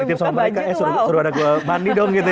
ya ditimpa sama mereka eh sudah ada gue mandi dong gitu ya